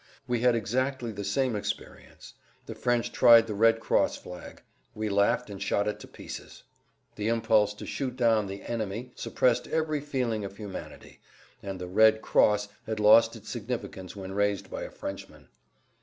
We had exactly the same experience. The French tried the red cross flag. We laughed and shot it to pieces. The impulse to shoot down the "enemy" suppressed every feeling of humanity, and the "red cross" had lost its significance when raised by a Frenchman.